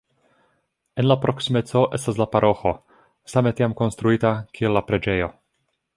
En la proksimeco estas la paroĥo, same tiam konstruita, kiel la preĝejo.